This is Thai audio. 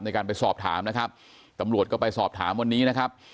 ในการไปสอบถามนะครับตำรวจก็ไปสอบถามวันนี้นะครับ